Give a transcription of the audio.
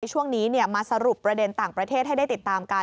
ช่วงนี้มาสรุปประเด็นต่างประเทศให้ได้ติดตามกัน